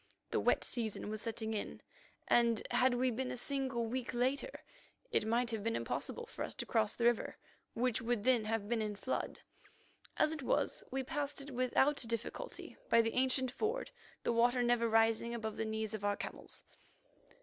The wet season was setting in, and, had we been a single week later, it might have been impossible for us to cross the river, which would then have been in flood. As it was, we passed it without difficulty by the ancient ford, the water never rising above the knees of our camels.